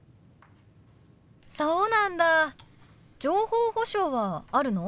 そうなんだ情報保障はあるの？